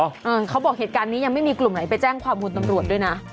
เออเขาบอกเหตุการณ์นี้ยังไม่มีกลุ่มไหนไปแจ้งความคุณตำรวจด้วยนะ